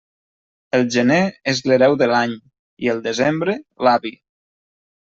El gener és l'hereu de l'any, i el desembre, l'avi.